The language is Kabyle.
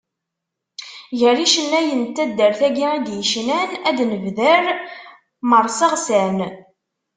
Gar yicennayen n taddart-agi i d-yecnan ad nebder Marseɣsan.